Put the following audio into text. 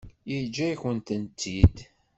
Yeǧǧa-yakent-tt-id.